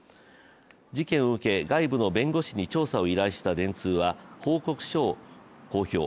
事件を受け、外部の弁護士に調査を依頼した電通は報告書を公表。